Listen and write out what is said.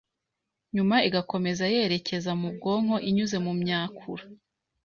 nyuma igakomeza yerekeza mu bwonko inyuze mu myakura,